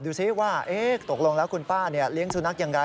ดูสิว่าตกลงแล้วคุณป้าเลี้ยงสุนัขอย่างไร